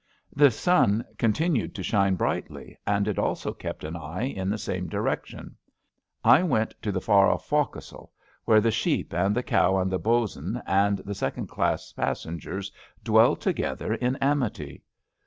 The sun continued to shine brightly, and it also kept an eye in the same direction. I went to the far off fo'c'sle, where the sheep and the cow and the bo 'sun and the second class passen gers dwell together in amity.